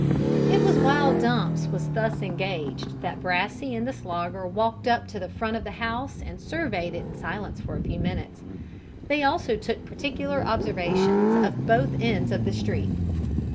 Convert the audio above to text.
It was while Dumps was thus engaged that Brassey and the Slogger walked up to the front of the house and surveyed it in silence for a few minutes. They also took particular observations of both ends of the street.